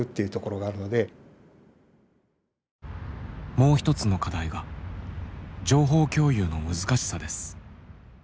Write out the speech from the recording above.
もう一つの課題が情報共有の難しさです。